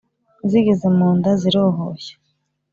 zigeze mu nda zirohoshya.